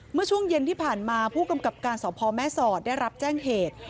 เมื่อช่วงเย็นที่ผ่านมาผู้กำกับการสอบพ่อแม่สอดได้รับแจ้งเหตุ